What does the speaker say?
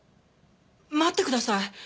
待ってください。